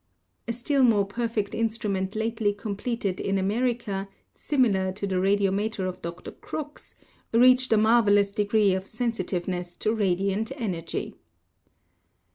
A still more perfect instrument lately completed in America simi lar to the radiometer of Dr. Crookes reached a marvelous degree of sensitiveness to radiant energy.